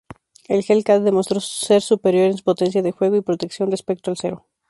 El Hellcat demostró ser superior en potencia de fuego y protección respecto al Zero.